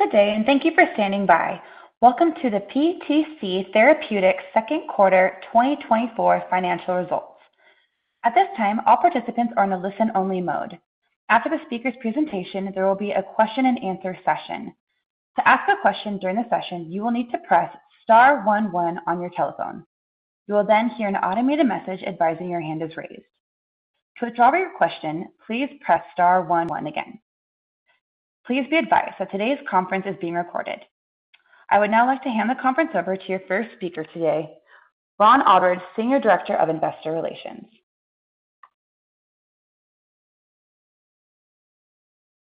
Good day, and thank you for standing by. Welcome to the PTC Therapeutics Second Quarter 2024 Financial Results. At this time, all participants are in a listen-only mode. After the speaker's presentation, there will be a question-and-answer session. To ask a question during the session, you will need to press star one, one on your telephone. You will then hear an automated message advising your hand is raised. To withdraw your question, please press star one, one again. Please be advised that today's conference is being recorded. I would now like to hand the conference over to your first speaker today, Ron Aalbers, Senior Director of Investor Relations.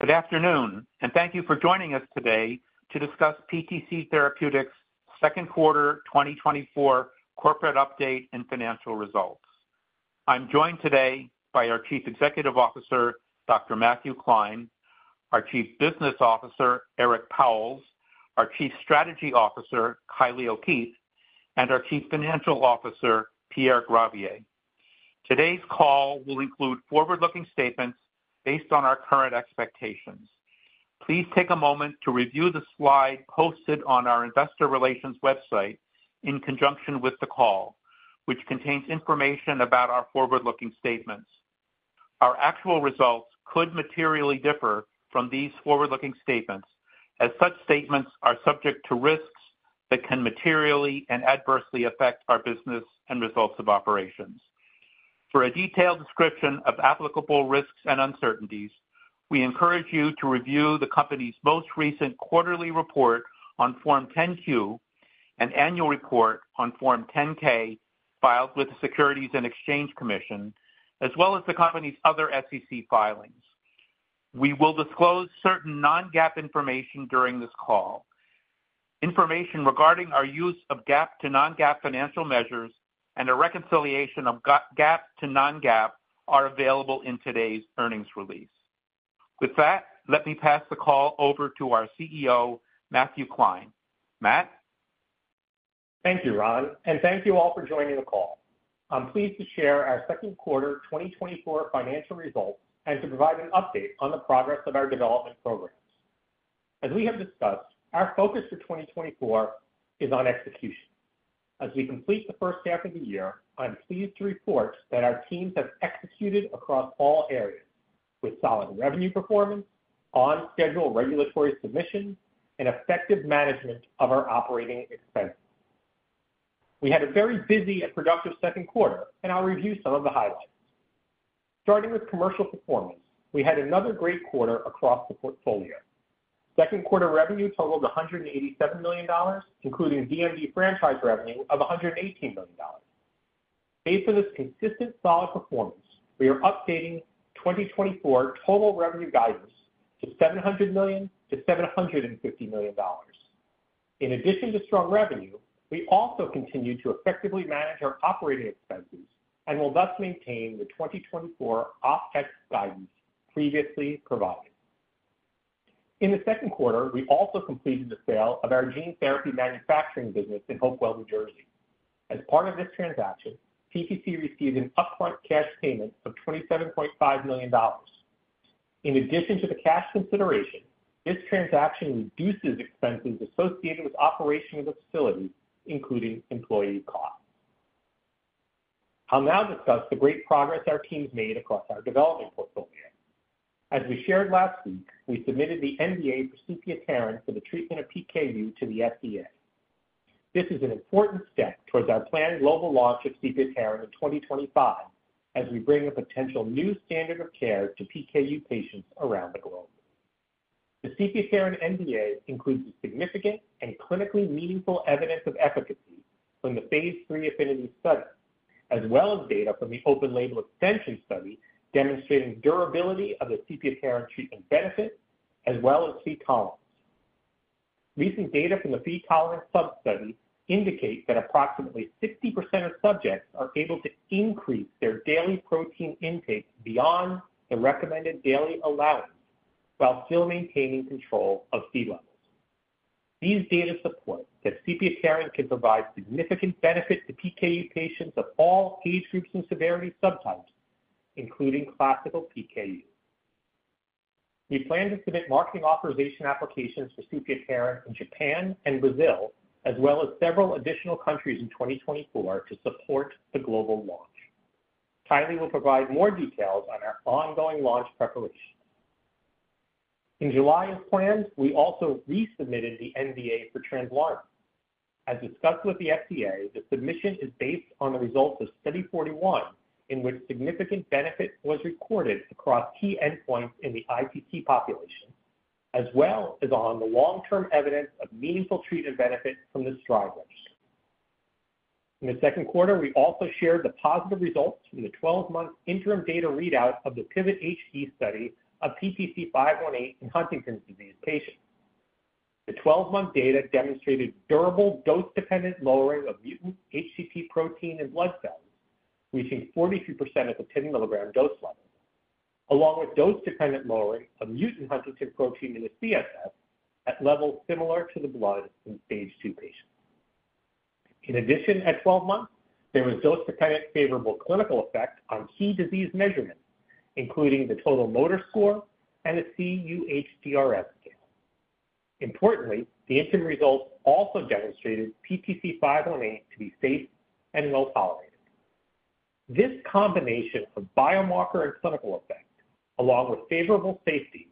Good afternoon, and thank you for joining us today to discuss PTC Therapeutics' second quarter 2024 corporate update and financial results. I'm joined today by our Chief Executive Officer, Dr. Matthew Klein, our Chief Business Officer, Eric Pauwels, our Chief Strategy Officer, Kylie O'Keefe, and our Chief Financial Officer, Pierre Gravier. Today's call will include forward-looking statements based on our current expectations. Please take a moment to review the slide posted on our investor relations website in conjunction with the call, which contains information about our forward-looking statements. Our actual results could materially differ from these forward-looking statements, as such statements are subject to risks that can materially and adversely affect our business and results of operations. For a detailed description of applicable risks and uncertainties, we encourage you to review the company's most recent quarterly report on Form 10-Q and annual report on Form 10-K, filed with the Securities and Exchange Commission, as well as the company's other SEC filings. We will disclose certain non-GAAP information during this call. Information regarding our use of GAAP to non-GAAP financial measures and a reconciliation of GAAP to non-GAAP are available in today's earnings release. With that, let me pass the call over to our CEO, Matthew Klein. Matt? Thank you, Ron, and thank you all for joining the call. I'm pleased to share our second quarter 2024 financial results and to provide an update on the progress of our development programs. As we have discussed, our focus for 2024 is on execution. As we complete the first half of the year, I'm pleased to report that our teams have executed across all areas with solid revenue performance, on-schedule regulatory submissions, and effective management of our operating expenses. We had a very busy and productive second quarter, and I'll review some of the highlights. Starting with commercial performance, we had another great quarter across the portfolio. Second quarter revenue totaled $187 million, including DMD franchise revenue of $118 million. Based on this consistent solid performance, we are updating 2024 total revenue guidance to $700 million-$750 million. In addition to strong revenue, we also continue to effectively manage our operating expenses and will thus maintain the 2024 OpEx guidance previously provided. In the second quarter, we also completed the sale of our gene therapy manufacturing business in Hopewell, New Jersey. As part of this transaction, PTC received an upfront cash payment of $27.5 million. In addition to the cash consideration, this transaction reduces expenses associated with operation of the facility, including employee costs. I'll now discuss the great progress our teams made across our development portfolio. As we shared last week, we submitted the NDA for sepiapterin for the treatment of PKU to the FDA. This is an important step towards our planned global launch of sepiapterin in 2025, as we bring a potential new standard of care to PKU patients around the globe. The sepiapterin NDA includes significant and clinically meaningful evidence of efficacy from the phase 3 AFFINITY study, as well as data from the open label extension study, demonstrating durability of the sepiapterin treatment benefit, as well as Phe tolerance. Recent data from the Phe tolerance sub-study indicate that approximately 60% of subjects are able to increase their daily protein intake beyond the recommended daily allowance while still maintaining control of Phe levels. These data support that sepiapterin can provide significant benefit to PKU patients of all age groups and severity subtypes, including classical PKU. We plan to submit marketing authorization applications for sepiapterin in Japan and Brazil, as well as several additional countries in 2024 to support the global launch. Kylie will provide more details on our ongoing launch preparation. In July, as planned, we also resubmitted the NDA for Translarna. As discussed with the FDA, the submission is based on the results of Study 041, in which significant benefit was recorded across key endpoints in the IPT population, as well as on the long-term evidence of meaningful treatment benefit from the STRIDE trials. In the second quarter, we also shared the positive results from the 12-month interim data readout of the PIVOT-HD study of PTC-518 in Huntington's disease patients. The 12-month data demonstrated durable dose-dependent lowering of mutant huntingtin protein in blood cells, reaching 42% at the 10 mg dose level, along with dose-dependent lowering of mutant huntingtin protein in the CSF at levels similar to the blood in phase 2 patients.... In addition, at 12 months, there was dose-dependent favorable clinical effect on key disease measurements, including the total motor score and the cUHDRS scale. Importantly, the interim results also demonstrated PTC-518 to be safe and well-tolerated. This combination of biomarker and clinical effects, along with favorable safety,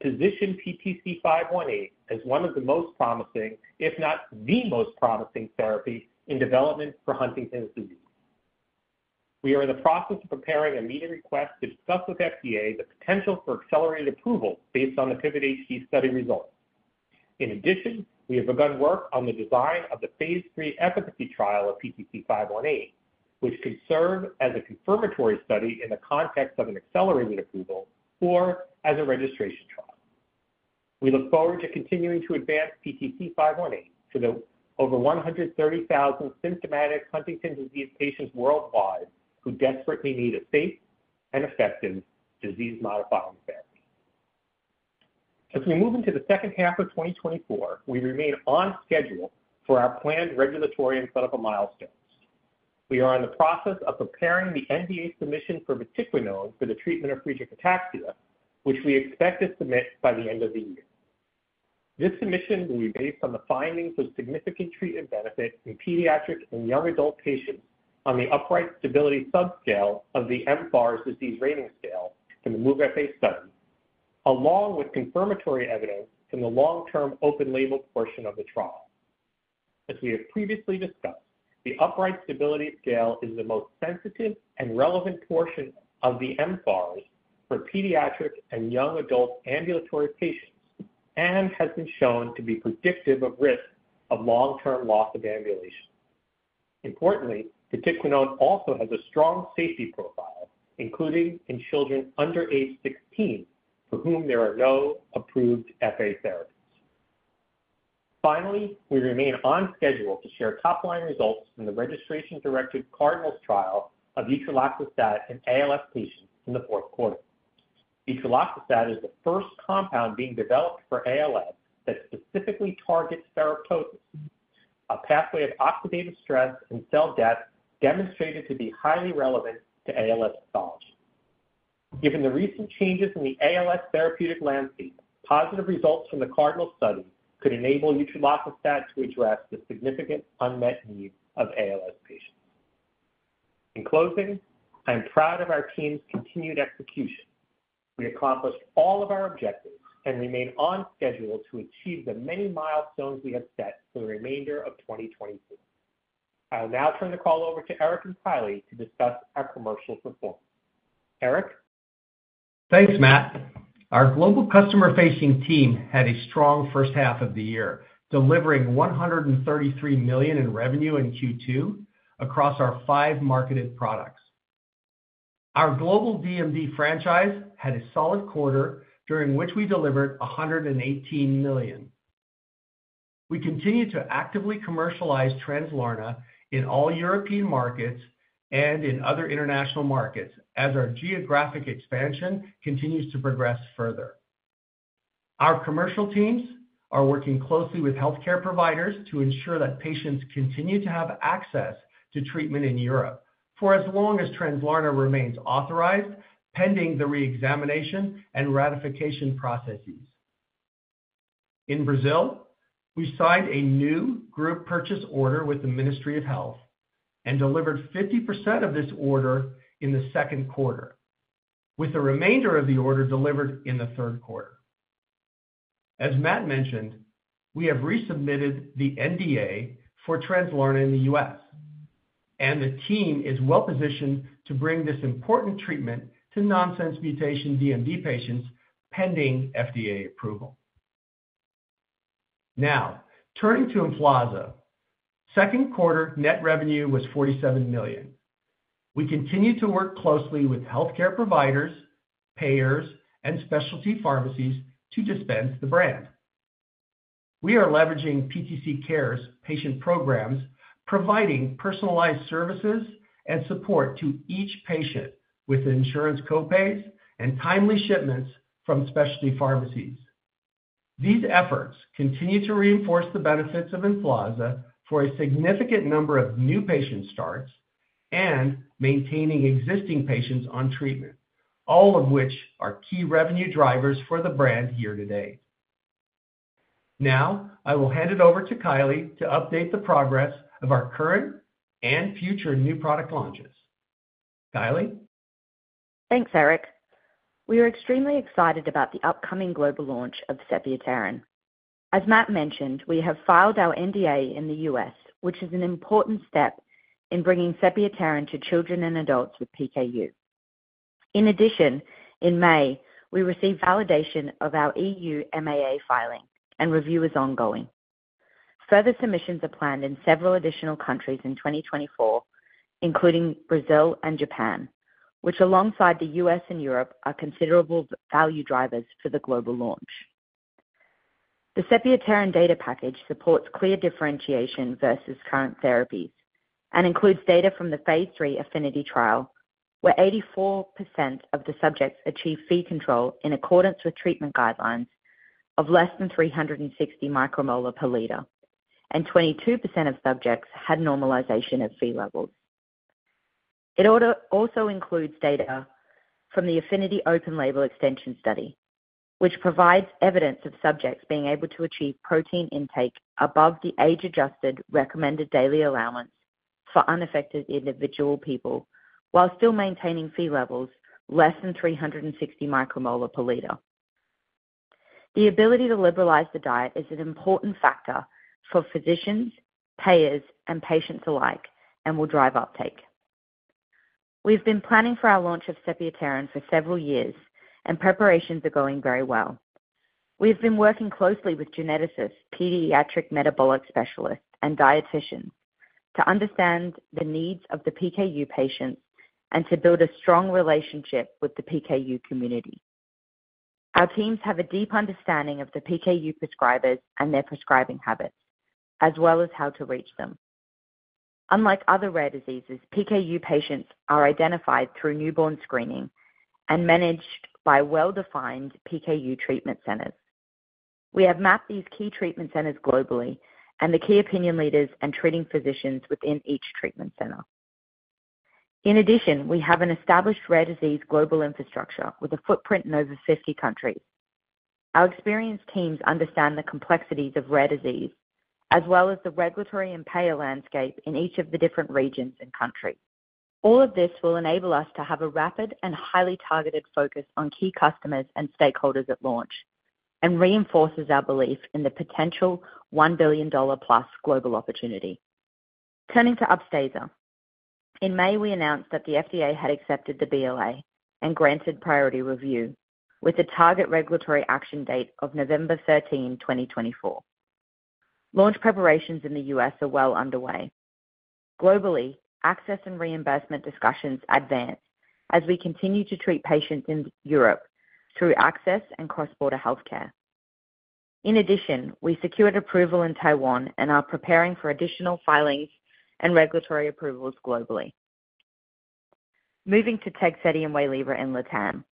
position PTC-518 as one of the most promising, if not the most promising therapy in development for Huntington's disease. We are in the process of preparing a meeting request to discuss with FDA the potential for accelerated approval based on the PIVOT-HD study results. In addition, we have begun work on the design of the phase 3 efficacy trial of PTC-518, which could serve as a confirmatory study in the context of an accelerated approval or as a registration trial. We look forward to continuing to advance PTC-518 to the over 130,000 symptomatic Huntington's disease patients worldwide who desperately need a safe and effective disease-modifying therapy. As we move into the second half of 2024, we remain on schedule for our planned regulatory and clinical milestones. We are in the process of preparing the NDA submission for vatiquinone for the treatment of retinitis pigmentosa, which we expect to submit by the end of the year. This submission will be based on the findings of significant treatment benefit in pediatric and young adult patients on the upright stability subscale of the mFARS Disease Rating Scale from the MOVE-FA study, along with confirmatory evidence from the long-term open label portion of the trial. As we have previously discussed, the upright stability scale is the most sensitive and relevant portion of the mFARS for pediatric and young adult ambulatory patients and has been shown to be predictive of risk of long-term loss of ambulation. Importantly, vatiquinone also has a strong safety profile, including in children under age 16, for whom there are no approved FA therapies. Finally, we remain on schedule to share top-line results from the registration-directed CARDINAL trial of Utreloxastat in ALS patients in the fourth quarter. Utreloxastat is the first compound being developed for ALS that specifically targets ferroptosis, a pathway of oxidative stress and cell death demonstrated to be highly relevant to ALS pathology. Given the recent changes in the ALS therapeutic landscape, positive results from the CARDINAL study could enable Utreloxastat to address the significant unmet needs of ALS patients. In closing, I am proud of our team's continued execution. We accomplished all of our objectives and remain on schedule to achieve the many milestones we have set for the remainder of 2024. I will now turn the call over to Eric and Kylie to discuss our commercial performance. Eric? Thanks, Matt. Our global customer-facing team had a strong first half of the year, delivering $133 million in revenue in Q2 across our five marketed products. Our global DMD franchise had a solid quarter, during which we delivered $118 million. We continue to actively commercialize Translarna in all European markets and in other international markets as our geographic expansion continues to progress further. Our commercial teams are working closely with healthcare providers to ensure that patients continue to have access to treatment in Europe for as long as Translarna remains authorized, pending the reexamination and ratification processes. In Brazil, we signed a new group purchase order with the Ministry of Health and delivered 50% of this order in the second quarter, with the remainder of the order delivered in the third quarter. As Matt mentioned, we have resubmitted the NDA for Translarna in the US, and the team is well positioned to bring this important treatment to nonsense mutation DMD patients, pending FDA approval. Now, turning to Emflaza. Second quarter net revenue was $47 million. We continue to work closely with healthcare providers, payers, and specialty pharmacies to dispense the brand. We are leveraging PTC Cares patient programs, providing personalized services and support to each patient with insurance copays and timely shipments from specialty pharmacies. These efforts continue to reinforce the benefits of Emflaza for a significant number of new patient starts and maintaining existing patients on treatment, all of which are key revenue drivers for the brand here today. Now, I will hand it over to Kylie to update the progress of our current and future new product launches. Kylie? Thanks, Eric. We are extremely excited about the upcoming global launch of sepiapterin. As Matt mentioned, we have filed our NDA in the U.S., which is an important step in bringing sepiapterin to children and adults with PKU. In addition, in May, we received validation of our E.U. MAA filing, and review is ongoing. Further submissions are planned in several additional countries in 2024, including Brazil and Japan, which, alongside the U.S. and Europe, are considerable value drivers for the global launch. The sepiapterin data package supports clear differentiation versus current therapies, and includes data from the phase III APHINITY trial, where 84% of the subjects achieved Phe control in accordance with treatment guidelines of less than 360 micromolar per liter, and 22% of subjects had normalization of Phe levels. It also includes data from the AFFINITY open label extension study, which provides evidence of subjects being able to achieve protein intake above the age-adjusted recommended daily allowance for unaffected individual people, while still maintaining Phe levels less than 360 micromolar per liter. The ability to liberalize the diet is an important factor for physicians, payers, and patients alike, and will drive uptake. We've been planning for our launch of sepiapterin for several years, and preparations are going very well. We've been working closely with geneticists, pediatric metabolic specialists, and dieticians to understand the needs of the PKU patients and to build a strong relationship with the PKU community. Our teams have a deep understanding of the PKU prescribers and their prescribing habits, as well as how to reach them. Unlike other rare diseases, PKU patients are identified through newborn screening and managed by well-defined PKU treatment centers. We have mapped these key treatment centers globally and the key opinion leaders and treating physicians within each treatment center. In addition, we have an established rare disease global infrastructure with a footprint in over 50 countries. Our experienced teams understand the complexities of rare disease, as well as the regulatory and payer landscape in each of the different regions and countries. All of this will enable us to have a rapid and highly targeted focus on key customers and stakeholders at launch, and reinforces our belief in the potential $1 billion-plus global opportunity. Turning to Upstaza. In May, we announced that the FDA had accepted the BLA and granted priority review, with a target regulatory action date of November thirteen, twenty twenty-four. Launch preparations in the US are well underway. Globally, access and reimbursement discussions advance as we continue to treat patients in Europe through access and cross-border healthcare. In addition, we secured approval in Taiwan and are preparing for additional filings and regulatory approvals globally. Moving to Tegsedi and Waylivra in LATAM,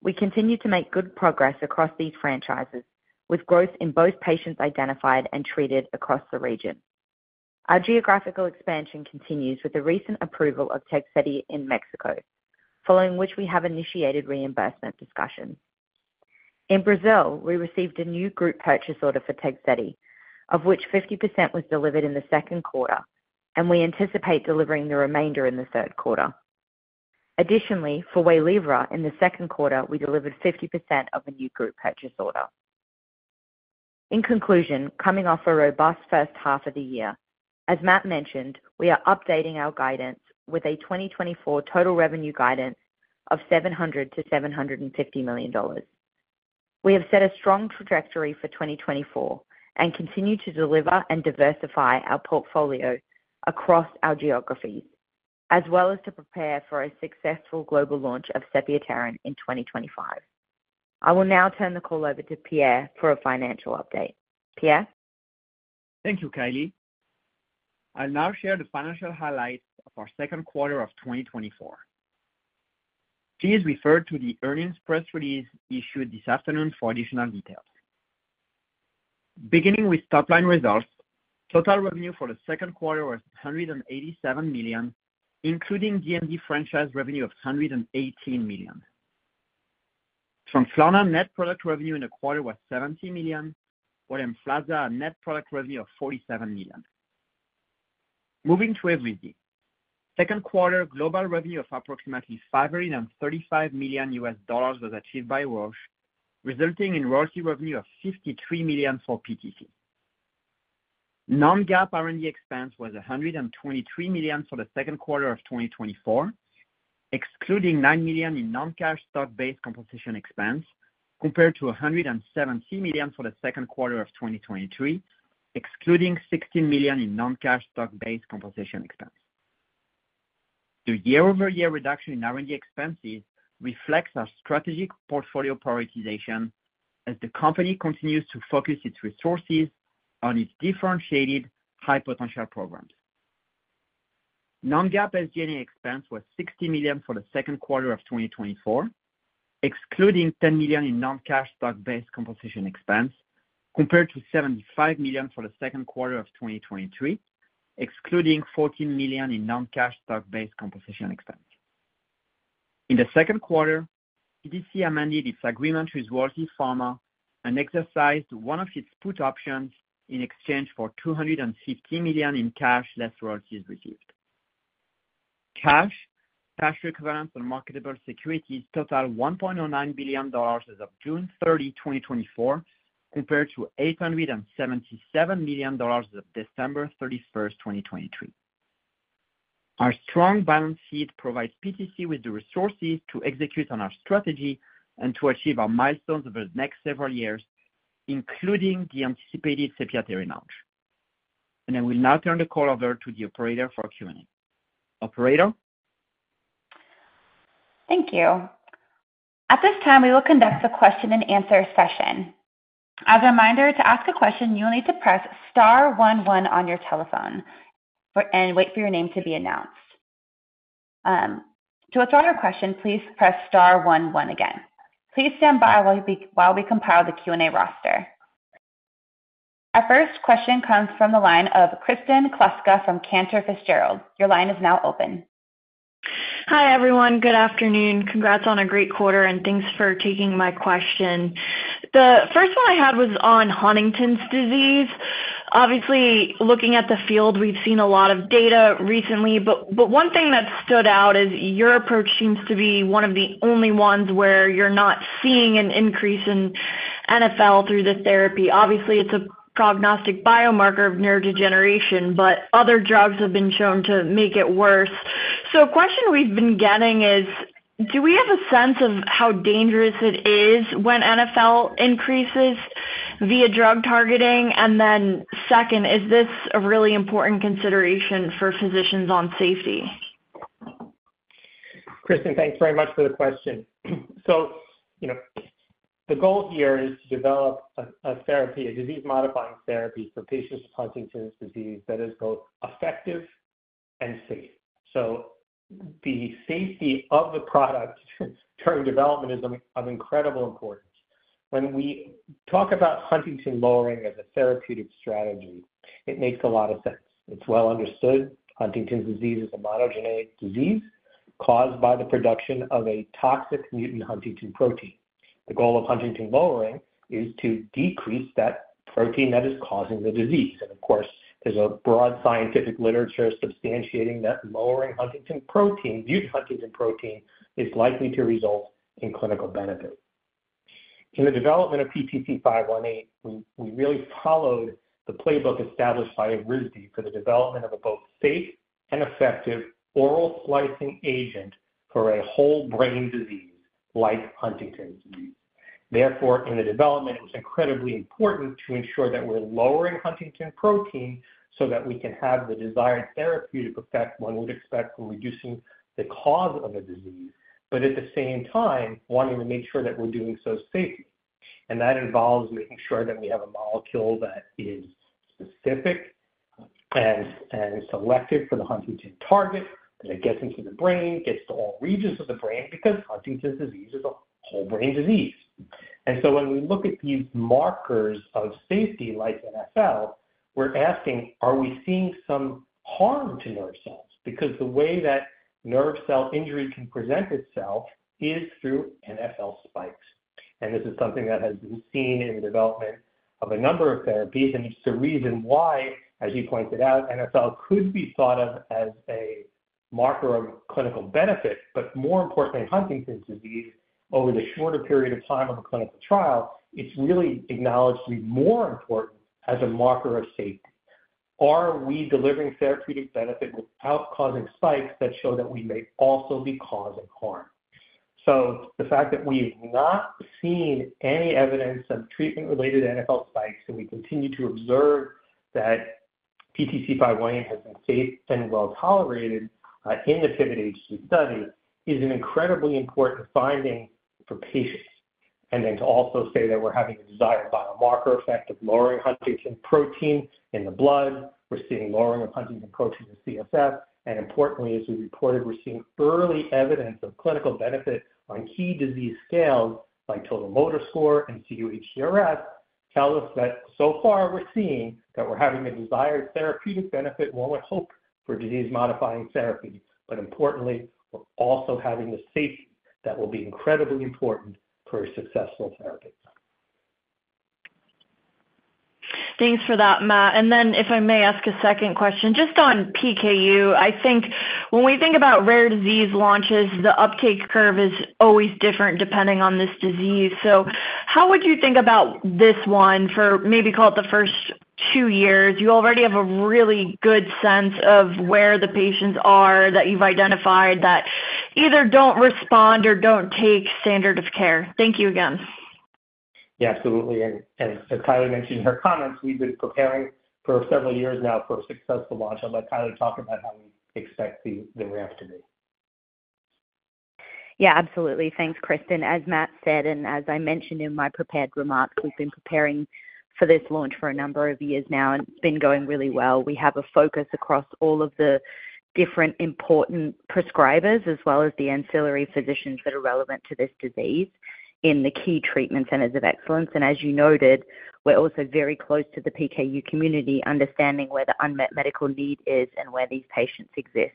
we continue to make good progress across these franchises, with growth in both patients identified and treated across the region. Our geographical expansion continues with the recent approval of Tegsedi in Mexico, following which we have initiated reimbursement discussions. In Brazil, we received a new group purchase order for Tegsedi, of which 50% was delivered in the second quarter, and we anticipate delivering the remainder in the third quarter. Additionally, for Waylivra, in the second quarter, we delivered 50% of a new group purchase order. In conclusion, coming off a robust first half of the year, as Matt mentioned, we are updating our guidance with a 2024 total revenue guidance of $700 million-$750 million. We have set a strong trajectory for 2024 and continue to deliver and diversify our portfolio across our geographies, as well as to prepare for a successful global launch of sepiapterin in 2025. I will now turn the call over to Pierre for a financial update. Pierre? Thank you, Kylie. I'll now share the financial highlights of our second quarter of 2024. Please refer to the earnings press release issued this afternoon for additional details. Beginning with top-line results, total revenue for the second quarter was $187 million, including DMD franchise revenue of $118 million. From Emflaza, net product revenue in the quarter was $70 million, while Translarna, net product revenue of $47 million. Moving to Evrysdi. Second quarter, global revenue of approximately $535 million was achieved by Roche, resulting in royalty revenue of $53 million for PTC. Non-GAAP R&D expense was $123 million for the second quarter of 2024, excluding $9 million in non-cash stock-based compensation expense, compared to $117 million for the second quarter of 2023, excluding $16 million in non-cash stock-based compensation expense. The year-over-year reduction in R&D expenses reflects our strategic portfolio prioritization as the company continues to focus its resources on its differentiated high-potential programs. Non-GAAP SG&A expense was $60 million for the second quarter of 2024, excluding $10 million in non-cash stock-based compensation expense, compared to $75 million for the second quarter of 2023, excluding $14 million in non-cash stock-based compensation expense. In the second quarter, PTC amended its agreement with Roche Pharma and exercised one of its put options in exchange for $250 million in cash, less royalties received. Cash, cash equivalents, and marketable securities total $1.09 billion as of June 30, 2024, compared to $877 million as of December 31, 2023. Our strong balance sheet provides PTC with the resources to execute on our strategy and to achieve our milestones over the next several years, including the anticipated sepiapterin launch. And I will now turn the call over to the operator for Q&A. Operator?... Thank you. At this time, we will conduct a question and answer session. As a reminder, to ask a question, you will need to press star one one on your telephone and wait for your name to be announced. To withdraw your question, please press star one one again. Please stand by while we compile the Q&A roster. Our first question comes from the line of Kristen Kluska from Cantor Fitzgerald. Your line is now open. Hi, everyone. Good afternoon. Congrats on a great quarter, and thanks for taking my question. The first one I had was on Huntington's disease. Obviously, looking at the field, we've seen a lot of data recently, but one thing that stood out is your approach seems to be one of the only ones where you're not seeing an increase in NfL through the therapy. Obviously, it's a prognostic biomarker of neurodegeneration, but other drugs have been shown to make it worse. So a question we've been getting is: Do we have a sense of how dangerous it is when NfL increases via drug targeting? And then second, is this a really important consideration for physicians on safety? Kristen, thanks very much for the question. So, you know, the goal here is to develop a therapy, a disease-modifying therapy for patients with Huntington's disease that is both effective and safe. So the safety of the product during development is of incredible importance. When we talk about huntingtin lowering as a therapeutic strategy, it makes a lot of sense. It's well understood. Huntington's disease is a monogenic disease caused by the production of a toxic mutant huntingtin protein. The goal of huntingtin lowering is to decrease that protein that is causing the disease. And of course, there's a broad scientific literature substantiating that lowering huntingtin protein, mutant huntingtin protein, is likely to result in clinical benefit. In the development of PTC-518, we really followed the playbook established by Evrysdi for the development of a both safe and effective oral silencing agent for a whole-brain disease like Huntington's disease. Therefore, in the development, it was incredibly important to ensure that we're lowering huntingtin protein so that we can have the desired therapeutic effect one would expect when reducing the cause of a disease, but at the same time, wanting to make sure that we're doing so safely. And that involves making sure that we have a molecule that is specific and selective for the huntingtin target, that it gets into the brain, gets to all regions of the brain, because Huntington's disease is a whole-brain disease. And so when we look at these markers of safety like NfL, we're asking, are we seeing some harm to nerve cells? Because the way that nerve cell injury can present itself is through NfL spikes. This is something that has been seen in the development of a number of therapies, and it's the reason why, as you pointed out, NfL could be thought of as a marker of clinical benefit, but more importantly, in Huntington's disease, over the shorter period of time of a clinical trial, it's really acknowledged to be more important as a marker of safety. Are we delivering therapeutic benefit without causing spikes that show that we may also be causing harm? The fact that we've not seen any evidence of treatment-related NfL spikes, and we continue to observe that PTC-518 has been safe and well-tolerated in the PIVOT-HD study, is an incredibly important finding for patients. Then to also say that we're having a desired biomarker effect of lowering Huntingtin protein in the blood, we're seeing lowering of Huntingtin protein in CSF, and importantly, as we reported, we're seeing early evidence of clinical benefit on key disease scales like Total Motor Score and cUHDRS, tell us that so far we're seeing that we're having the desired therapeutic benefit one would hope for disease-modifying therapy. But importantly, we're also having the safety that will be incredibly important for a successful therapy. Thanks for that, Matt. And then if I may ask a second question, just on PKU, I think when we think about rare disease launches, the uptake curve is always different depending on this disease. So how would you think about this one for maybe call it the first two years? You already have a really good sense of where the patients are, that you've identified that either don't respond or don't take standard of care. Thank you again. Yeah, absolutely. And as Kylie mentioned in her comments, we've been preparing for several years now for a successful launch. I'll let Kylie talk about how we expect the ramp to be. Yeah, absolutely. Thanks, Kristen. As Matt said, and as I mentioned in my prepared remarks, we've been preparing for this launch for a number of years now, and it's been going really well. We have a focus across all of the different important prescribers, as well as the ancillary physicians that are relevant to this disease in the key treatment centers of excellence. As you noted, we're also very close to the PKU community, understanding where the unmet medical need is and where these patients exist.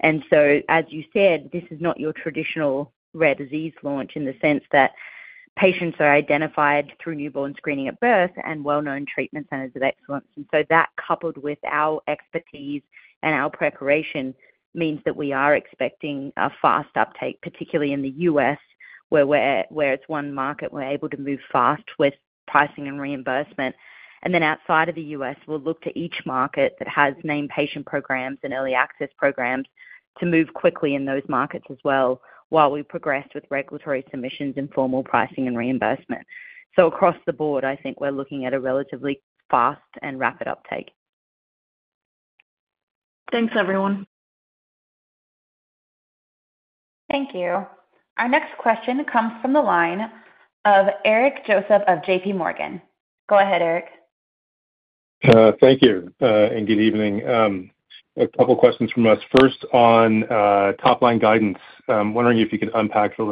As you said, this is not your traditional rare disease launch in the sense that patients are identified through newborn screening at birth and well-known treatment centers of excellence. And so that, coupled with our expertise and our preparation, means that we are expecting a fast uptake, particularly in the U.S., where it's one market, we're able to move fast with pricing and reimbursement. And then outside of the U.S., we'll look to each market that has named patient programs and early access programs to move quickly in those markets as well, while we progress with regulatory submissions and formal pricing and reimbursement. So across the board, I think we're looking at a relatively fast and rapid uptake… Thanks, everyone. Thank you. Our next question comes from the line of Eric Joseph of JPMorgan. Go ahead, Eric. Thank you, and good evening. A couple questions from us. First, on top-line guidance, I'm wondering if you could unpack that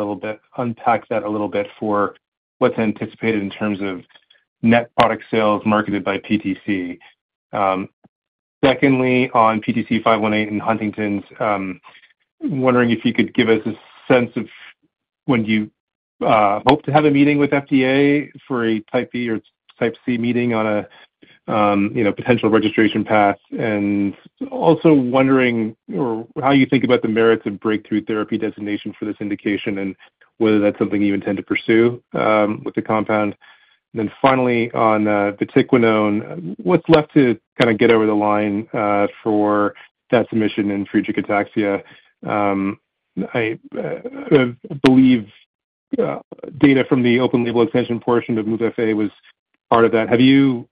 a little bit for what's anticipated in terms of net product sales marketed by PTC. Secondly, on PTC518 in Huntington's, wondering if you could give us a sense of when do you hope to have a meeting with FDA for a type B or type C meeting on a, you know, potential registration path? And also wondering or how you think about the merits of breakthrough therapy designation for this indication, and whether that's something you intend to pursue, with the compound. Then finally, on vatiquinone, what's left to kinda get over the line, for that submission in Friedreich ataxia? I believe data from the open label extension portion of MOVE-FA was part of that. Have you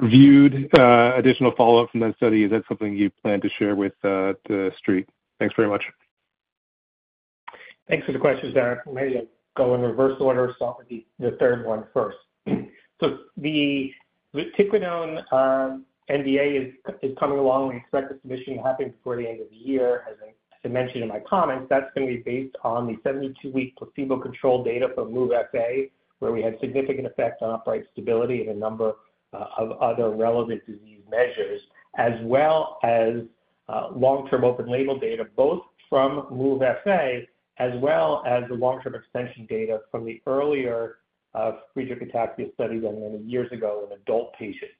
viewed additional follow-up from that study? Is that something you plan to share with the street? Thanks very much. Thanks for the questions, Eric. Maybe I'll go in reverse order, start with the third one first. So the vatiquinone NDA is coming along. We expect the submission to happen before the end of the year. As I mentioned in my comments, that's gonna be based on the 72-week placebo-controlled data from MOVE-FA, where we had significant effect on upright stability and a number of other relevant disease measures, as well as long-term open label data, both from MOVE-FA, as well as the long-term extension data from the earlier Friedreich ataxia study done many years ago in adult patients.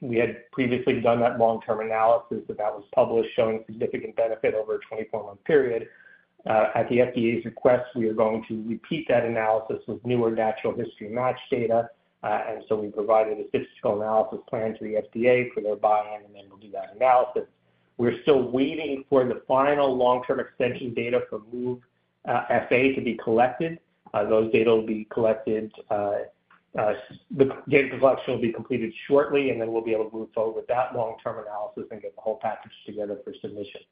We had previously done that long-term analysis, but that was published showing significant benefit over a 24-month period. At the FDA's request, we are going to repeat that analysis with newer natural history match data. And so we provided a statistical analysis plan to the FDA for their buy-in, and then we'll do that analysis. We're still waiting for the final long-term extension data for MOVE-FA to be collected. Those data will be collected. The data collection will be completed shortly, and then we'll be able to move forward with that long-term analysis and get the whole package together for submission.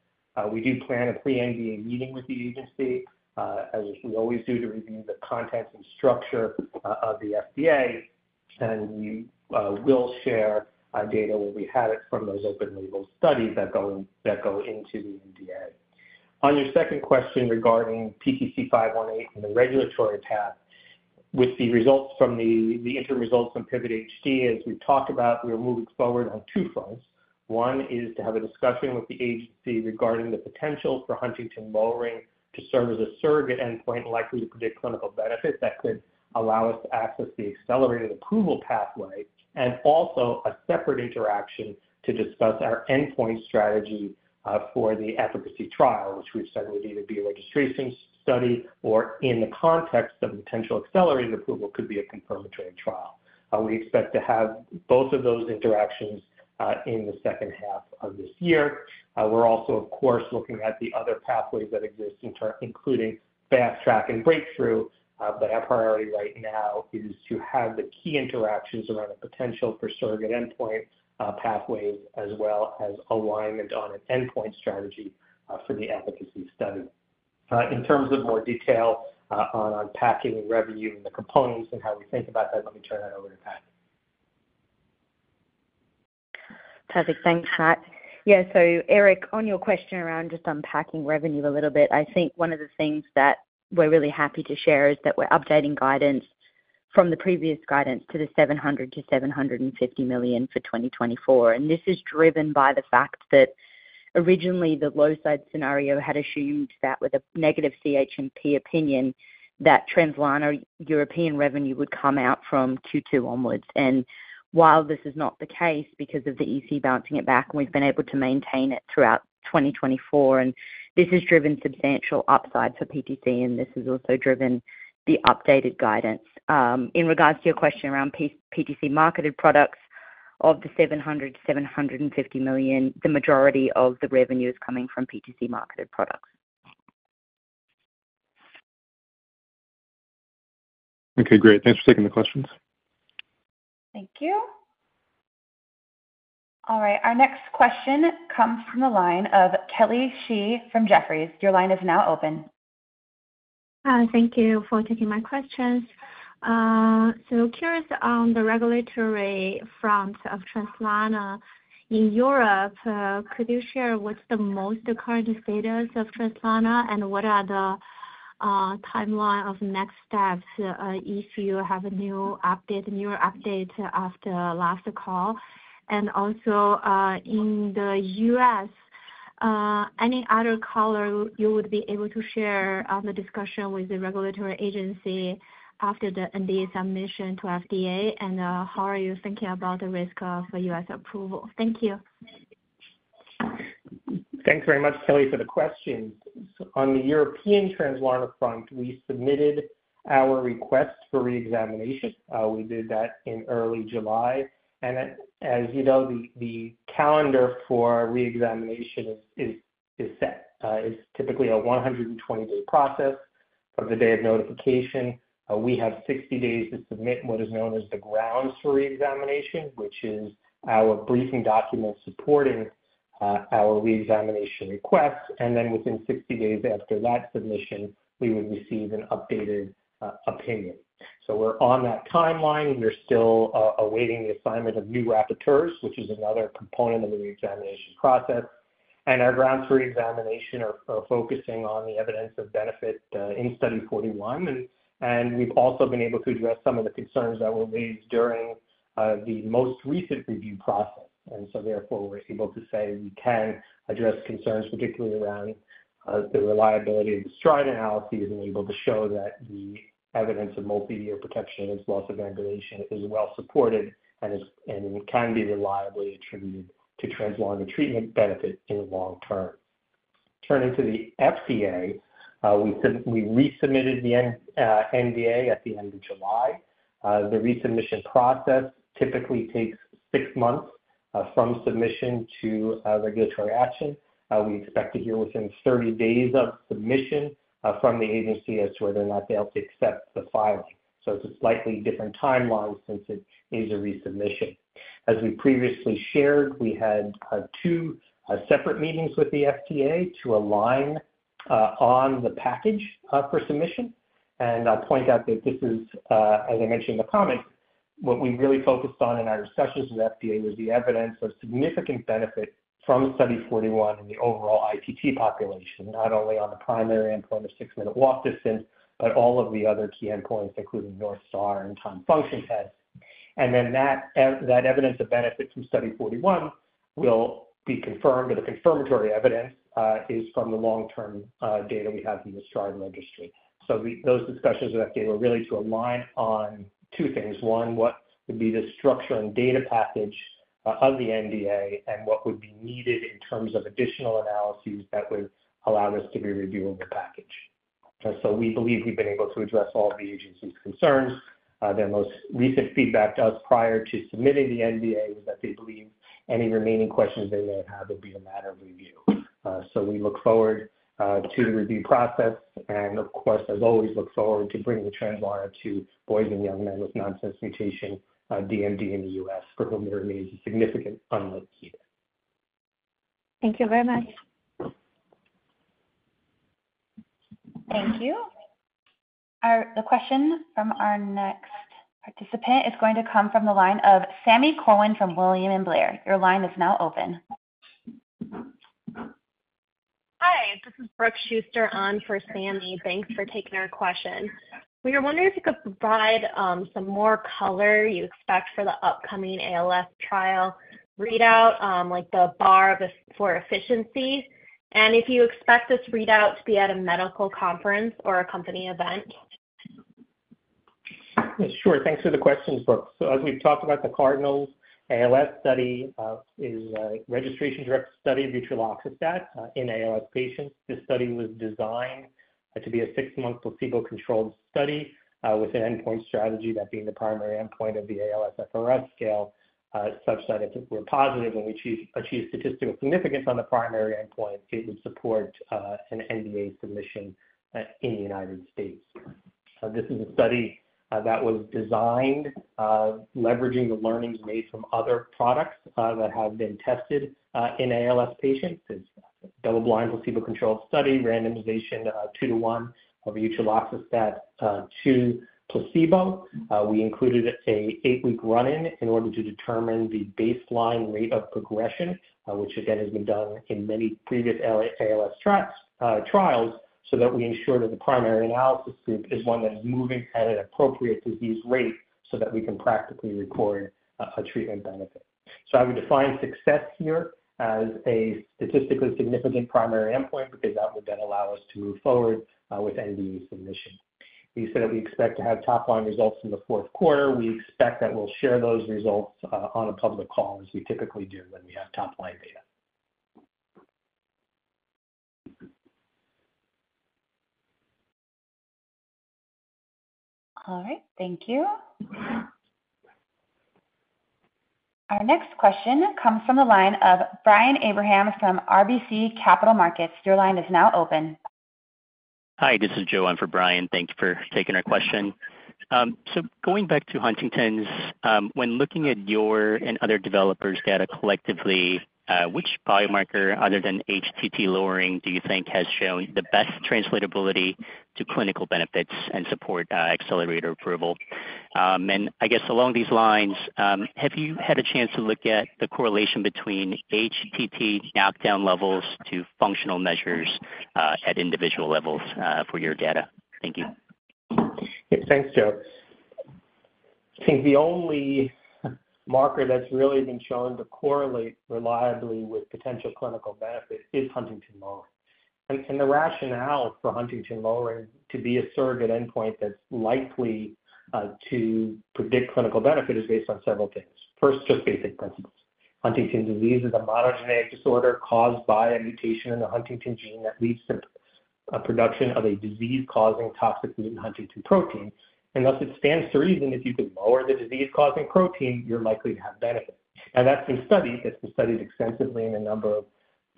We do plan a pre-NDA meeting with the agency, as we always do, to review the contents and structure of the NDA, and we will share our data when we have it from those open-label studies that go into the NDA. On your second question regarding PTC-518 and the regulatory path, with the results from the interim results from PIVOT-HD, as we've talked about, we are moving forward on two fronts. One is to have a discussion with the agency regarding the potential for huntingtin lowering to serve as a surrogate endpoint, likely to predict clinical benefit that could allow us to access the accelerated approval pathway. And also a separate interaction to discuss our endpoint strategy for the efficacy trial, which we've said would either be a registration study or in the context of potential accelerated approval, could be a confirmatory trial. We expect to have both of those interactions in the second half of this year. We're also, of course, looking at the other pathways that exist, including fast track and breakthrough, but our priority right now is to have the key interactions around the potential for surrogate endpoint, pathways, as well as alignment on an endpoint strategy, for the efficacy study. In terms of more detail, on unpacking the revenue and the components and how we think about that, let me turn that over to Pat. Perfect. Thanks, Pat. Yeah, so Eric, on your question around just unpacking revenue a little bit, I think one of the things that we're really happy to share is that we're updating guidance from the previous guidance to the $700 million-$750 million for 2024. And this is driven by the fact that originally the low side scenario had assumed that with a negative CHMP opinion, that Translarna European revenue would come out from Q2 onwards. And while this is not the case, because of the EC bouncing it back, we've been able to maintain it throughout 2024, and this has driven substantial upside for PTC, and this has also driven the updated guidance. In regards to your question around PTC marketed products, of the $700 million-$750 million, the majority of the revenue is coming from PTC marketed products. Okay, great. Thanks for taking the questions. Thank you. All right, our next question comes from the line of Kelly Shi from Jefferies. Your line is now open. Thank you for taking my questions. So curious on the regulatory front of Translarna in Europe, could you share what's the most current status of Translarna, and what are the timeline of next steps, if you have a new update, newer update after last call? And also, in the US, any other color you would be able to share on the discussion with the regulatory agency after the NDA submission to FDA? And, how are you thinking about the risk, for US approval? Thank you. Thanks very much, Kelly, for the question. So on the European Translarna front, we submitted our request for reexamination. We did that in early July. And as you know, the calendar for reexamination is set. It's typically a 120-day process of the day of notification. We have 60 days to submit what is known as the grounds for reexamination, which is our briefing document supporting our reexamination request. And then within 60 days after that submission, we would receive an updated opinion. So we're on that timeline, and we're still awaiting the assignment of new rapporteurs, which is another component of the reexamination process. And our grounds for reexamination are focusing on the evidence of benefit in Study 41. And we've also been able to address some of the concerns that were raised during the most recent review process. And so therefore, we're able to say we can address concerns, particularly around the reliability of the STRIDE analysis, and we're able to show that the evidence of multi-year protection against loss of ambulation is well supported and it can be reliably attributed to Translarna treatment benefit in the long term. Turning to the FDA, we resubmitted the NDA at the end of July. The resubmission process typically takes six months from submission to a regulatory action. We expect to hear within 30 days of submission from the agency as to whether or not they'll accept the filing. So it's a slightly different timeline since it is a resubmission. As we previously shared, we had two separate meetings with the FDA to align on the package for submission. I'll point out that this is, as I mentioned in the comments, what we really focused on in our discussions with FDA was the evidence of significant benefit from Study 41 in the overall IPT population, not only on the primary endpoint of 6-minute walk distance, but all of the other key endpoints, including North Star and time function test. Then that evidence of benefit from Study 41 will be confirmed, or the confirmatory evidence, is from the long-term data we have in the STRIDE registry. Those discussions with FDA were really to align on two things. One, what would be the structure and data package of the NDA? What would be needed in terms of additional analyses that would allow us to be reviewing the package? So we believe we've been able to address all of the agency's concerns. Their most recent feedback to us prior to submitting the NDA was that they believe any remaining questions they may have would be a matter of review. So we look forward to the review process, and of course, as always, look forward to bringing the Translarna to boys and young men with nonsense mutation DMD in the US, for whom there remains a significant unmet need. Thank you very much. Thank you. The question from our next participant is going to come from the line of Sami Corwin from William Blair. Your line is now open. Hi, this is Brooke Schuster on for Sami. Thanks for taking our question. We were wondering if you could provide some more color you expect for the upcoming ALS trial readout, like the bar for efficiency, and if you expect this readout to be at a medical conference or a company event? Sure. Thanks for the question, Brooke. So as we've talked about, the CARDINAL ALS study is a registration-driven study of utreloxastat in ALS patients. This study was designed to be a six-month placebo-controlled study with an endpoint strategy, that being the primary endpoint of the ALSFRS-R, such that if we're positive and we achieve statistical significance on the primary endpoint, it would support an NDA submission in the United States. This is a study that was designed leveraging the learnings made from other products that have been tested in ALS patients. It's a double-blind, placebo-controlled study, randomization 2-to-1 of utreloxastat to placebo. We included an eight-week run-in in order to determine the baseline rate of progression, which again, has been done in many previous ALS trials, so that we ensure that the primary analysis group is one that is moving at an appropriate disease rate so that we can practically record a treatment benefit. So I would define success here as a statistically significant primary endpoint, because that would then allow us to move forward with NDA submission. We said that we expect to have top-line results in the fourth quarter. We expect that we'll share those results on a public call, as we typically do when we have top-line data. All right, thank you. Our next question comes from the line of Brian Abrahams from RBC Capital Markets. Your line is now open. Hi, this is Joe on for Brian. Thank you for taking our question. So going back to Huntington's, when looking at your and other developers' data collectively, which biomarker other than HTT lowering do you think has shown the best translatability to clinical benefits and support accelerated approval? And I guess along these lines, have you had a chance to look at the correlation between HTT knockdown levels to functional measures at individual levels for your data? Thank you. Thanks, Joe. I think the only marker that's really been shown to correlate reliably with potential clinical benefit is huntingtin lowering. And the rationale for huntingtin lowering to be a surrogate endpoint that's likely to predict clinical benefit is based on several things. First, just basic principles. Huntington's disease is a monogenic disorder caused by a mutation in the huntingtin gene that leads to a production of a disease-causing toxic mutant huntingtin protein. And thus, it stands to reason if you could lower the disease-causing protein, you're likely to have benefit. And that's been studied. It's been studied extensively in a number of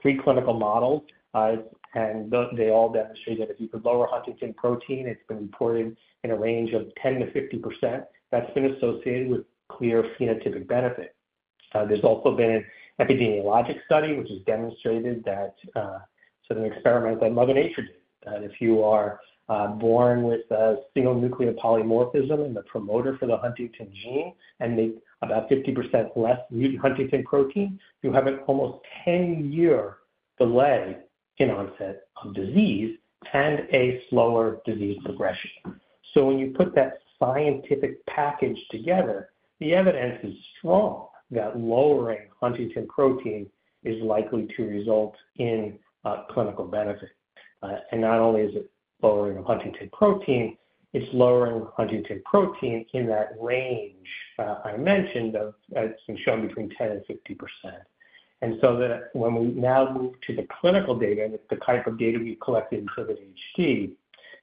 preclinical models, and they all demonstrate that if you could lower huntingtin protein, it's been reported in a range of 10%-50%. That's been associated with clear phenotypic benefit. There's also been an epidemiologic study, which has demonstrated that, so an experiment that Mother Nature did, that if you are born with a single nucleotide polymorphism in the promoter for the huntingtin gene and make about 50% less huntingtin protein, you have an almost 10-year delay in onset of disease and a slower disease progression. So when you put that scientific package together, the evidence is strong that lowering huntingtin protein is likely to result in clinical benefit. And not only is it lowering of huntingtin protein, it's lowering huntingtin protein in that range I mentioned, of, as has been shown between 10% and 50%. And so that when we now move to the clinical data, the type of data we've collected for the HD,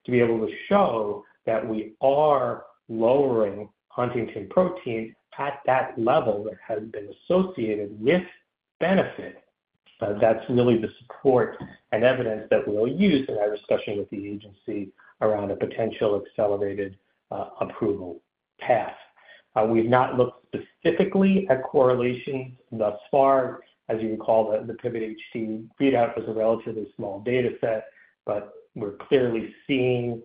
to be able to show that we are lowering Huntingtin protein at that level that has been associated with benefit, that's really the support and evidence that we'll use in our discussion with the agency around a potential accelerated approval path. We've not looked specifically at correlation thus far. As you recall, the PIVOT-HD readout was a relatively small data set, but we're clearly seeing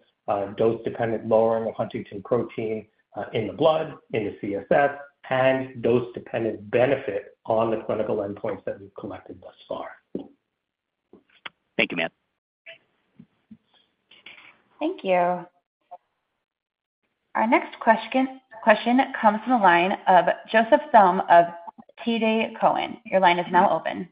dose-dependent lowering of Huntingtin protein in the blood, in the CSF, and dose-dependent benefit on the clinical endpoints that we've collected thus far. Thank you, Matt. Thank you. Our next question comes from the line of Joseph Thome of TD Cowen. Your line is now open.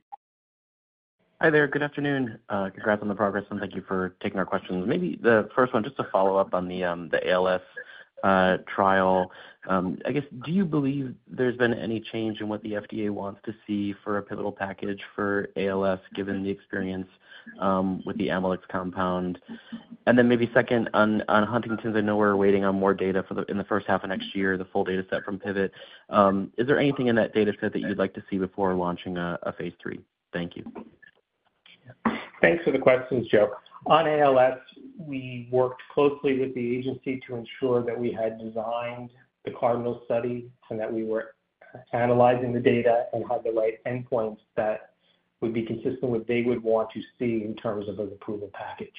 Hi there. Good afternoon. Congrats on the progress, and thank you for taking our questions. Maybe the first one, just to follow up on the ALS trial. I guess, do you believe there's been any change in what the FDA wants to see for a pivotal package for ALS, given the experience with the Amylyx compound? And then maybe second, on Huntington's, I know we're waiting on more data in the first half of next year, the full data set from Pivot. Is there anything in that data set that you'd like to see before launching a phase 3? Thank you. Thanks for the questions, Joe. On ALS, we worked closely with the agency to ensure that we had designed the CARDINAL study and that we were analyzing the data and had the right endpoints that would be consistent with what they would want to see in terms of an approval package.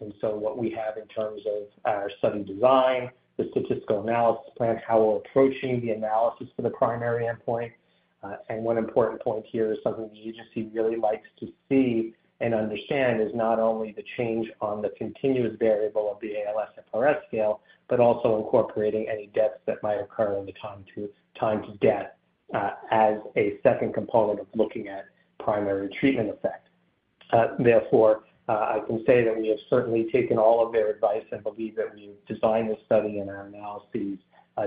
And so what we have in terms of our study design, the statistical analysis plan, how we're approaching the analysis for the primary endpoint. And one important point here is something the agency really likes to see and understand is not only the change on the continuous variable of the ALSFRS-R scale, but also incorporating any deaths that might occur in the time to, time to death, as a second component of looking at primary treatment effect. Therefore, I can say that we have certainly taken all of their advice and believe that we've designed this study and our analyses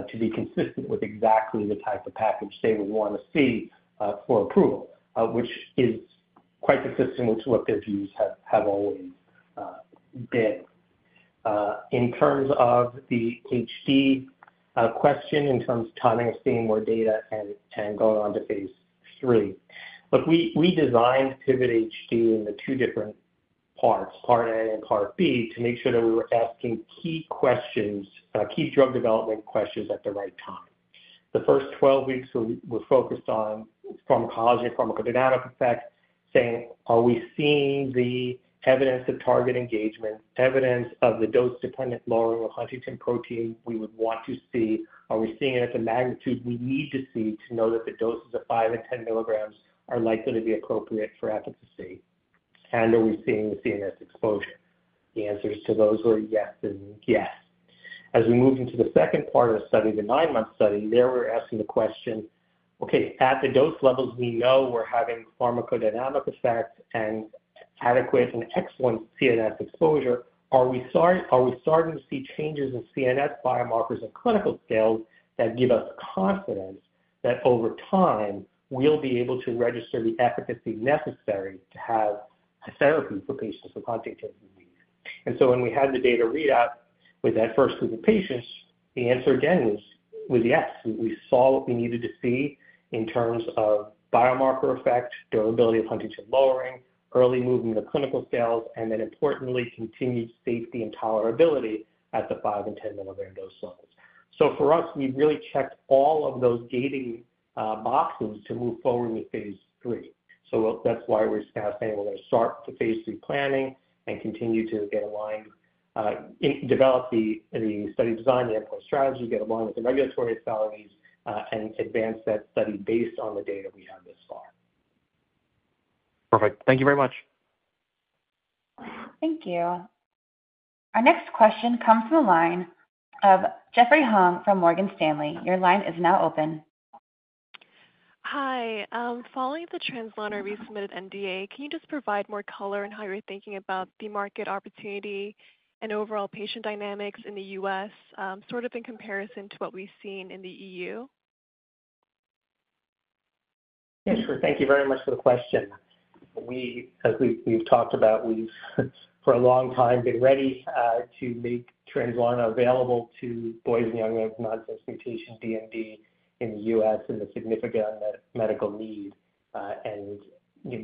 to be consistent with exactly the type of package they would want to see for approval, which is quite consistent to what their views have always been. In terms of the HD question, in terms of timing, seeing more data and going on to phase 3. Look, we designed Pivot HD in the two different parts, part A and part B, to make sure that we were asking key questions, key drug development questions at the right time. The first 12 weeks were focused on pharmacology and pharmacodynamic effects, saying: Are we seeing the evidence of target engagement, evidence of the dose-dependent lowering of Huntingtin protein we would want to see? Are we seeing it at the magnitude we need to see to know that the doses of 5 and 10 milligrams are likely to be appropriate for efficacy? And are we seeing the CNS exposure? The answers to those were yes and yes. As we move into the second part of the study, the nine-month study, there we're asking the question: Okay, at the dose levels we know we're having pharmacodynamic effects and adequate and excellent CNS exposure, are we starting to see changes in CNS biomarkers and clinical scales that give us confidence that over time, we'll be able to register the efficacy necessary to have a therapy for patients with Huntington's disease? And so when we had the data readout with that first group of patients, the answer again was yes. We saw what we needed to see in terms of biomarker effect, durability of Huntingtin lowering, early movement of clinical scales, and then importantly, continued safety and tolerability at the 5- and 10-milligram dose levels. So for us, we've really checked all of those gating boxes to move forward with phase 3. So that's why we're saying we're going to start the phase 3 planning and continue to get aligned, develop the study design, the endpoint strategy, get aligned with the regulatory authorities, and advance that study based on the data we have thus far. Perfect. Thank you very much. Thank you. Our next question comes from the line of Jeffrey Hung from Morgan Stanley. Your line is now open. Hi. Following the Translarna resubmitted NDA, can you just provide more color on how you're thinking about the market opportunity and overall patient dynamics in the U.S., sort of in comparison to what we've seen in the E.U.? Yes, sure. Thank you very much for the question. As we've talked about, we've for a long time been ready to make Translarna available to boys and young men with nonsense mutation DMD in the US in a significant medical need, and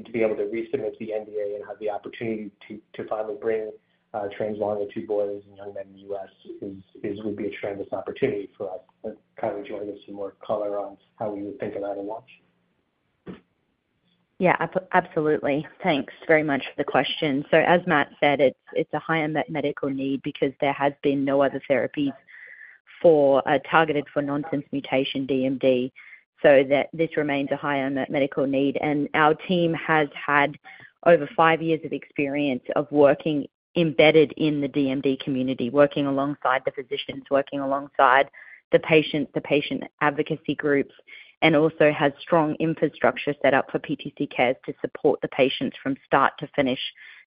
to be able to resubmit the NDA and have the opportunity to finally bring Translarna to boys and young men in the US would be a tremendous opportunity for us. But Kylie, do you want to give some more color on how we would think about a launch? Yeah, absolutely. Thanks very much for the question. So as Matt said, it's a high unmet medical need because there has been no other therapies targeted for nonsense mutation DMD, so this remains a high unmet medical need. And our team has had over five years of experience of working embedded in the DMD community, working alongside the physicians, working alongside the patients, the patient advocacy groups, and also has strong infrastructure set up for PTC cares to support the patients from start to finish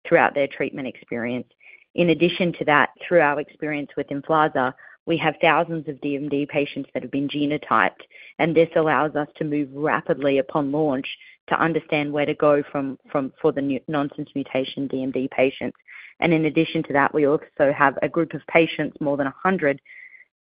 throughout their treatment experience. In addition to that, through our experience with Emflaza, we have thousands of DMD patients that have been genotyped, and this allows us to move rapidly upon launch to understand where to go from for the new nonsense mutation DMD patients. In addition to that, we also have a group of patients, more than 100,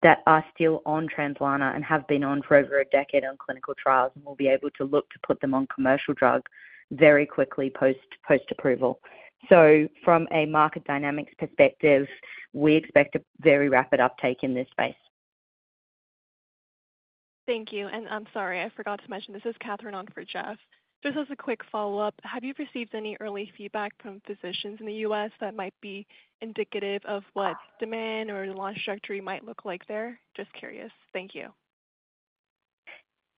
that are still on Translarna and have been on for over a decade on clinical trials, and we'll be able to look to put them on commercial drugs very quickly, post-approval. From a market dynamics perspective, we expect a very rapid uptake in this space. Thank you. And I'm sorry, I forgot to mention, this is Catherine on for Jeff. Just as a quick follow-up, have you received any early feedback from physicians in the U.S. that might be indicative of what demand or the launch structure might look like there? Just curious. Thank you.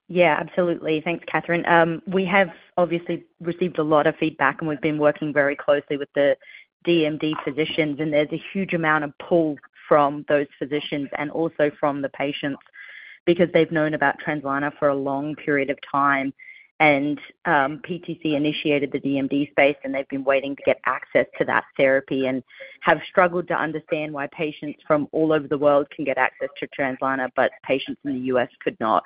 Yeah, absolutely. Thanks, Catherine. We have obviously received a lot of feedback, and we've been working very closely with the DMD physicians, and there's a huge amount of pull from those physicians and also from the patients, because they've known about Translarna for a long period of time. And, PTC initiated the DMD space, and they've been waiting to get access to that therapy and have struggled to understand why patients from all over the world can get access to Translarna, but patients in the U.S. could not.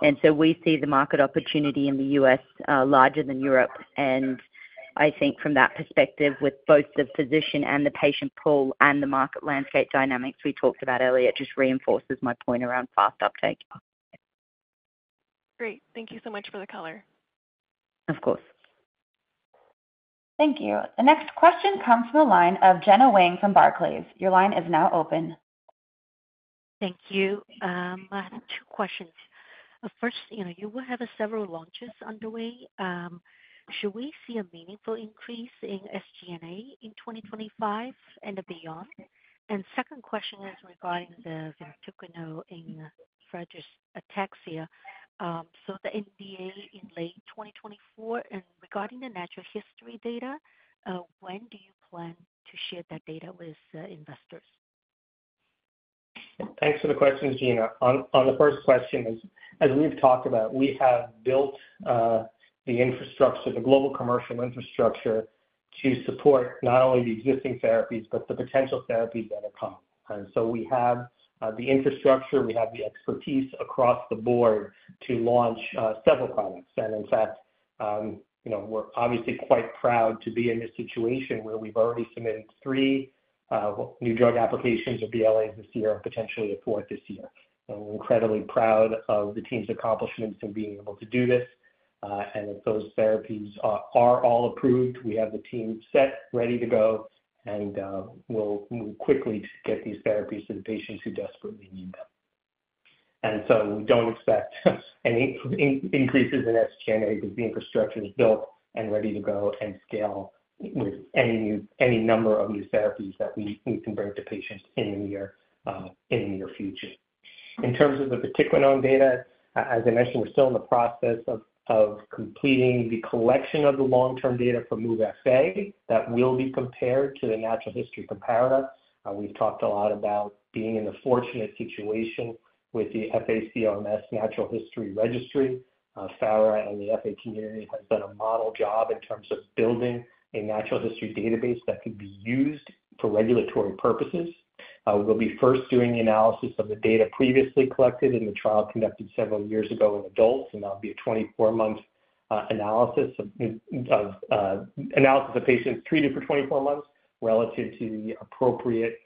And so we see the market opportunity in the U.S., larger than Europe. And I think from that perspective, with both the physician and the patient pull and the market landscape dynamics we talked about earlier, it just reinforces my point around fast uptake. Great. Thank you so much for the color. Of course. Thank you. The next question comes from the line of Gena Wang from Barclays. Your line is now open. Thank you. I have two questions. First, you know, you will have several launches underway. Should we see a meaningful increase in SG&A in 2025 and beyond? And second question is regarding the vatiquinone in Friedreich ataxia. So the NDA in late 2024, and regarding the natural history data, when do you plan to share that data with investors? Thanks for the questions, Gena. On the first question, as we've talked about, we have built the infrastructure, the global commercial infrastructure, to support not only the existing therapies, but the potential therapies that are coming. And so we have the infrastructure, we have the expertise across the board to launch several products. And in fact, you know, we're obviously quite proud to be in this situation where we've already submitted 3 new drug applications or BLAs this year and potentially a fourth this year. And we're incredibly proud of the team's accomplishments in being able to do this, and if those therapies are all approved, we have the team set, ready to go, and we'll move quickly to get these therapies to the patients who desperately need them. And so we don't expect any increases in SG&A because the infrastructure is built and ready to go and scale with any number of new therapies that we can bring to patients in the near future. In terms of the vatiquinone data, as I mentioned, we're still in the process of completing the collection of the long-term data from MOVE-FA that will be compared to the natural history comparator. We've talked a lot about being in the fortunate situation with the mFARS Natural History Registry. FARA and the FA community have done a marvelous job in terms of building a natural history database that could be used for regulatory purposes. We'll be first doing the analysis of the data previously collected in the trial conducted several years ago in adults, and that'll be a 24-month analysis of patients treated for 24 months relative to the appropriate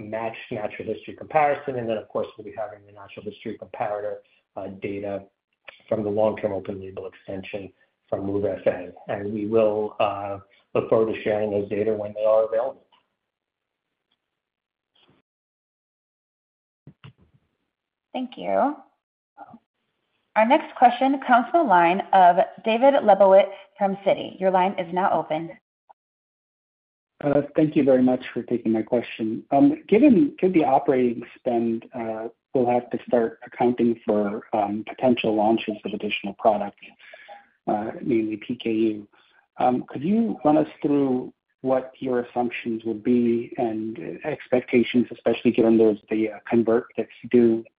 matched natural history comparison. And then, of course, we'll be having the natural history comparator data from the long-term open label extension from MOVE-FA, and we will look forward to sharing those data when they are available. Thank you. Our next question comes from the line of David Lebowitz from Citi. Your line is now open. Thank you very much for taking my question. Given could the operating spend will have to start accounting for potential launches of additional products, mainly PKU. Could you run us through what your assumptions would be and expectations, especially given there's the convert that's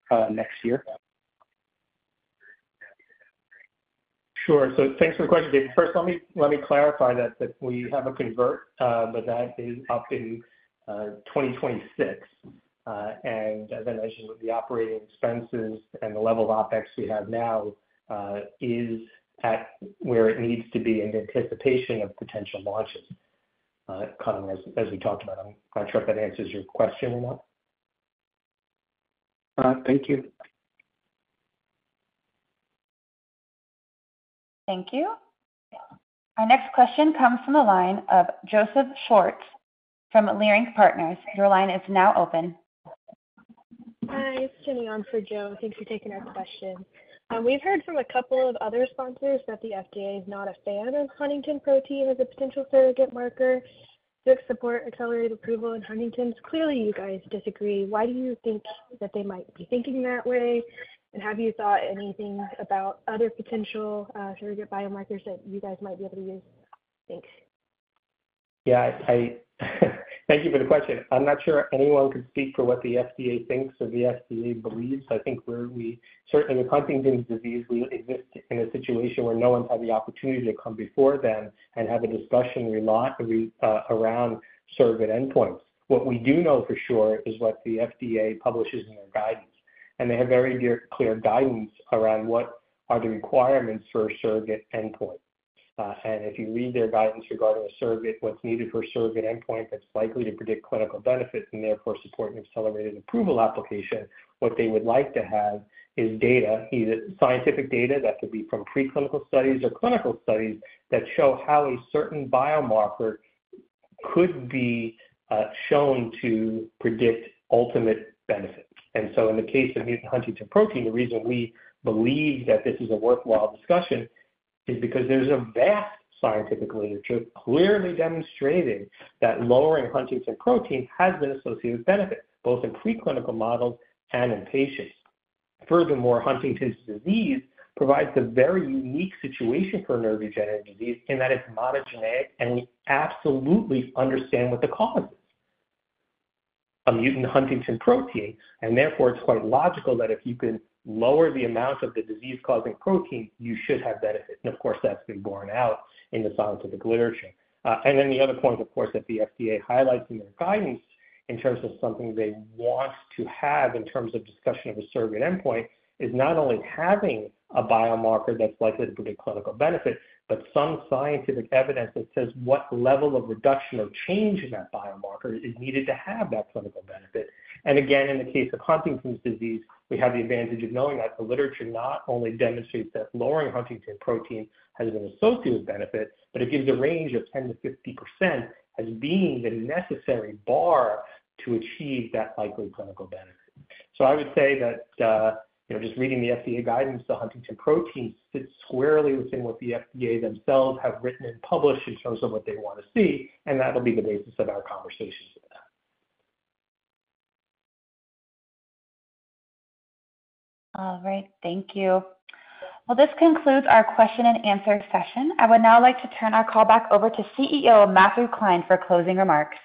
due next year? Sure. So thanks for the question, David. First, let me, let me clarify that, that we have a convertible, but that is up in 2026. And then as with the operating expenses and the level of OpEx we have now, is at where it needs to be in anticipation of potential launches, coming, as, as we talked about. I'm not sure if that answers your question or not? Thank you. Thank you. Our next question comes from the line of Joseph Schwartz from Leerink Partners. Your line is now open. Hi, it's Jenny on for Joe. Thanks for taking our question. We've heard from a couple of other sponsors that the FDA is not a fan of Huntingtin protein as a potential surrogate marker to support accelerated approval in Huntington's. Clearly, you guys disagree. Why do you think that they might be thinking that way? And have you thought anything about other potential surrogate biomarkers that you guys might be able to use? Thanks. Yeah, thank you for the question. I'm not sure anyone could speak for what the FDA thinks or the FDA believes. I think where we certainly with Huntington's disease, we exist in a situation where no one's had the opportunity to come before them and have a discussion regarding around surrogate endpoints. What we do know for sure is what the FDA publishes in their guidance, and they have very clear guidance around what are the requirements for a surrogate endpoint. And if you read their guidance regarding a surrogate, what's needed for a surrogate endpoint that's likely to predict clinical benefits and therefore support an accelerated approval application, what they would like to have is data, either scientific data that could be from preclinical studies or clinical studies, that show how a certain biomarker could be shown to predict ultimate benefits. And so in the case of mutant Huntingtin protein, the reason we believe that this is a worthwhile discussion is because there's a vast scientific literature clearly demonstrating that lowering Huntingtin protein has been associated with benefits, both in preclinical models and in patients. Furthermore, Huntington's disease provides a very unique situation for a neurodegenerative disease in that it's monogenic, and we absolutely understand what the cause is. A mutant Huntingtin protein, and therefore, it's quite logical that if you can lower the amount of the disease-causing protein, you should have benefit. And of course, that's been borne out in the science of the literature. And then the other point, of course, that the FDA highlights in their guidance in terms of something they want to have in terms of discussion of a surrogate endpoint, is not only having a biomarker that's likely to predict clinical benefit, but some scientific evidence that says what level of reduction or change in that biomarker is needed to have that clinical benefit. Again, in the case of Huntington's disease, we have the advantage of knowing that the literature not only demonstrates that lowering Huntingtin protein has been associated with benefit, but it gives a range of 10%-50% as being the necessary bar to achieve that likely clinical benefit. So I would say that, you know, just reading the FDA guidance, the huntingtin protein sits squarely within what the FDA themselves have written and published in terms of what they want to see, and that'll be the basis of our conversations with them. All right. Thank you. Well, this concludes our question and answer session. I would now like to turn our call back over to CEO, Matthew Klein, for closing remarks.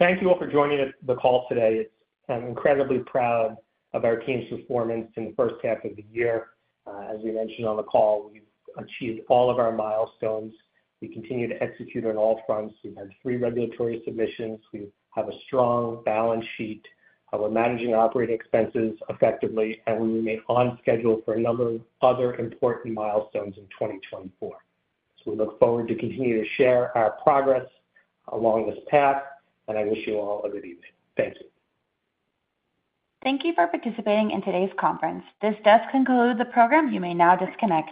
Thank you all for joining us on the call today. I'm incredibly proud of our team's performance in the first half of the year. As we mentioned on the call, we've achieved all of our milestones. We continue to execute on all fronts. We've had three regulatory submissions, we have a strong balance sheet, we're managing operating expenses effectively, and we remain on schedule for a number of other important milestones in 2024. We look forward to continuing to share our progress along this path, and I wish you all a good evening. Thank you. Thank you for participating in today's conference. This does conclude the program. You may now disconnect.